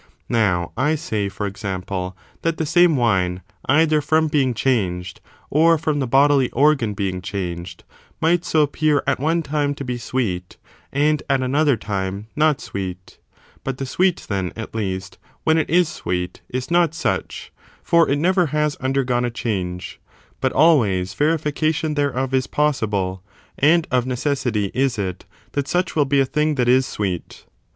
Now, I say, for example, that the same wine, either from being changed, or from the bodily organ being changed, might so appear at one time to be sweet, and at another time not sweet ; but the sweet then, at least, when it is sweet is not such, for it never has undergone a change; but always verification thereof is possible, and of necessity is it that such will be a thing that is sweet.